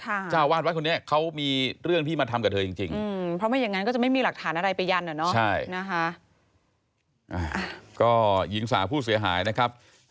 หนูจะหนอนตรงนั้นหนูกับพระอาจารย์ก็ขอไม่ต้องติดต่อกันอีกแล้วค่ะ